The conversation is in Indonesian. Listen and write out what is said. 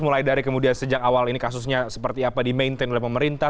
mulai dari kemudian sejak awal ini kasusnya seperti apa di maintain oleh pemerintah